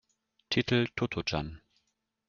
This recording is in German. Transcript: Titel: "Totto-chan.